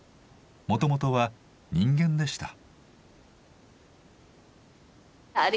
もともとは人間でした。